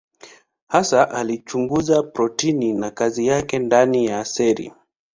Hasa alichunguza protini na kazi yake ndani ya seli.